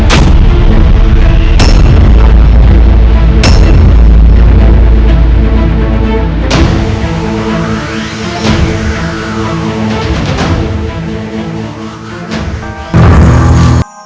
jangan lupa untuk berlangganan